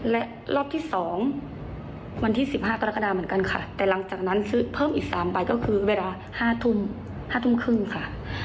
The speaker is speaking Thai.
และรอบที่๒วันที่๑๕กรกฎาเหมือนกันค่ะแต่หลังจากนั้นซื้อเพิ่มอีก๓ใบก็คือเวลา๕ทุ่ม๕ทุ่มครึ่งค่ะ